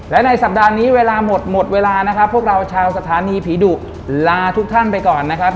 และในสัปดาห์นี้เวลาหมดหมดเวลานะครับพวกเราชาวสถานีผีดุลาทุกท่านไปก่อนนะครับ